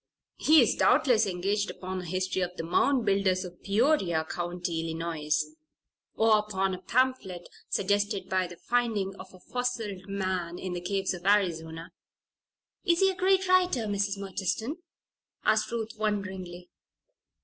He is doubtless engaged upon a history of the Mound Builders of Peoria County, Illinois; or upon a pamphlet suggested by the finding of a fossilized man in the caves of Arizona." "Is he a great writer, Mrs. Murchiston?" asked Ruth, wonderingly.